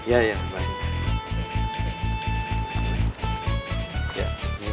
iya mudah banget